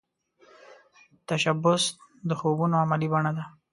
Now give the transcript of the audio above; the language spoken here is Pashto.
تشبث د خوبونو عملې بڼه ده